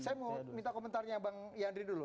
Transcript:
saya mau minta komentarnya bang yandri dulu